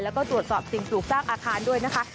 แล้วก็ตรวจสอบสิ่งปลูกสร้างอาคารด้วยนะคะ